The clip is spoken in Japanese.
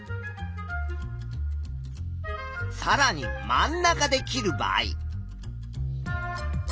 さらに真ん中で切る場合。